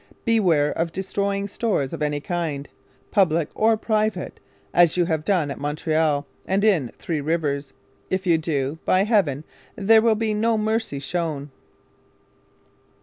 Beware of destroying stores of any kind, Publick or Private, as you have done at Montreal and in Three Rivers If you do, by Heaven, there will be no mercy shown.